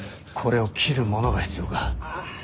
これを切るものが必要か。